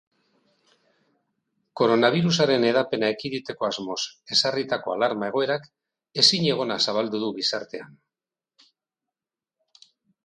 Koronabirusaren hedapena ekiditeko asmoz ezarritako alarmak egoerak ezinegona zabaldu du gizartean.